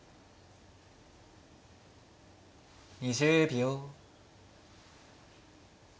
２０秒。